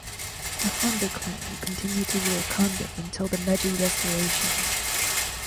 The Honda clan would continue to rule Kanbe until the Meiji restoration.